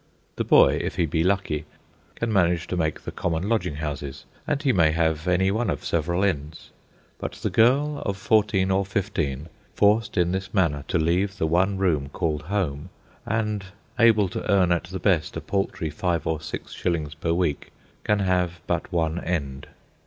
The boy, if he be lucky, can manage to make the common lodging houses, and he may have any one of several ends. But the girl of fourteen or fifteen, forced in this manner to leave the one room called home, and able to earn at the best a paltry five or six shillings per week, can have but one end.